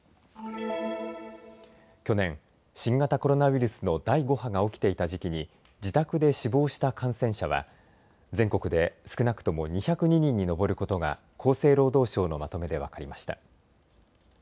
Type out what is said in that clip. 去年、新型コロナウイルスの第５波が起きていた時期に自宅で死亡した感染者は全国で少なくとも２０２人に上ることが厚生労働省のまとめで分かりました。